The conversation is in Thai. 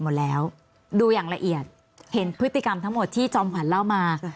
หมดแล้วดูอย่างละเอียดเห็นพฤติกรรมทั้งหมดที่จอมขวัญเล่ามา